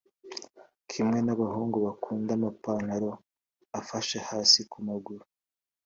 Kimwe nabahungu bakunda amapantaro afashe hasi kumaguru